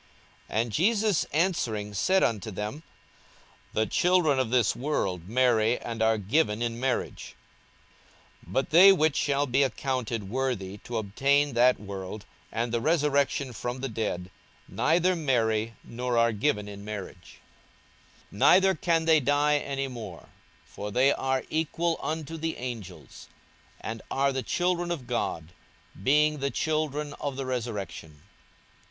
42:020:034 And Jesus answering said unto them, The children of this world marry, and are given in marriage: 42:020:035 But they which shall be accounted worthy to obtain that world, and the resurrection from the dead, neither marry, nor are given in marriage: 42:020:036 Neither can they die any more: for they are equal unto the angels; and are the children of God, being the children of the resurrection.